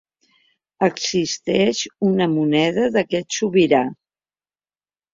Existeix una moneda d'aquest sobirà.